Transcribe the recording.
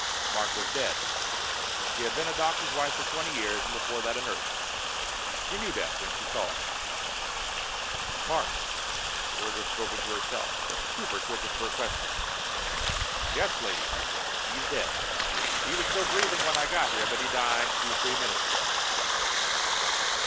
Mark was dead. She had been a doctor's wife for twenty years, and before that a nurse. She knew death when she saw it. "Mark." The word was spoken to herself, but the Trooper took it for a question. "Yes, lady," he said. "He's dead. He was still breathing when I got here, but he died two, three minutes ago."